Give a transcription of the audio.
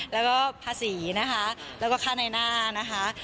แล้วก็ภาษีนะคะแล้วก็ค่าในหน้านะคะ